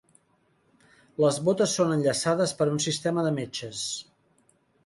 Les bótes són enllaçades per un sistema de metxes.